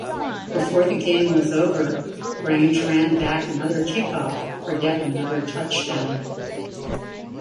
Before the game was over, Grange ran back another kickoff for yet another touchdown.